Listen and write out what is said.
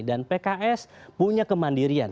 dan pks punya kemandirian